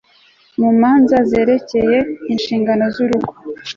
mu manza zerekeye inshingano z urugo